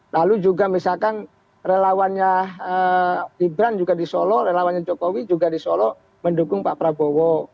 lalu juga misalkan relawannya gibran juga di solo relawannya jokowi juga di solo mendukung pak prabowo